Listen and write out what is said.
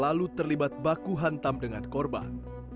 lalu terlibat baku hantam dengan korban